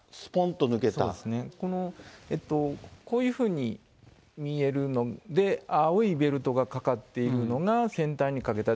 この、こういうふうに見えるので、青いベルトがかかっているのが船体にかけた。